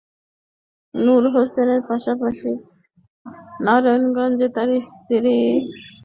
নূর হোসেনের পাশাপাশি নারায়ণগঞ্জে তাঁর স্ত্রীর সম্পদের হিসাব চেয়েও নোটিশ পাঠানো হয়েছে।